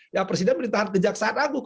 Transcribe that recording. ya presiden perintahan kejaksaan agung